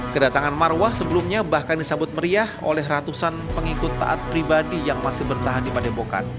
kedatangan marwah sebelumnya bahkan disambut meriah oleh ratusan pengikut taat pribadi yang masih bertahan di padepokan